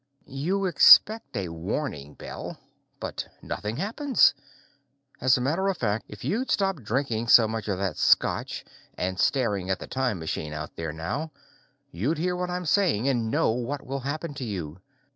You expect a warning bell, but nothing happens. As a matter of fact, if you'd stop drinking so much of that scotch and staring at the time machine out there now, you'd hear what I'm saying and know what will happen to you.